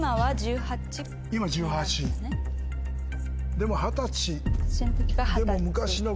でも二十歳。